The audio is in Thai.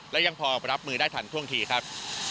และยังพอรับมือได้ทันท่วงทีครับ